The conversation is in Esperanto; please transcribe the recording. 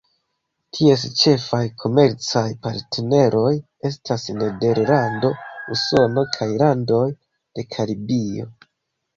Ties ĉefaj komercaj partneroj estas Nederlando, Usono kaj landoj de Karibio.